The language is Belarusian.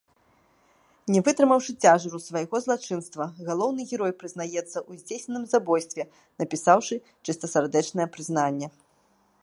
Не вытрымаўшы цяжару свайго злачынства, галоўны герой прызнаецца ў здзейсненым забойстве, напісаўшы чыстасардэчнае прызнанне.